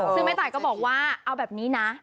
ซึ่งแม่ตายก็บอกว่าเอาแบบนี้นะ